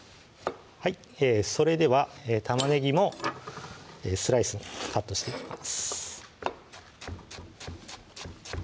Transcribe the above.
それでは玉ねぎもスライスにカットしていきます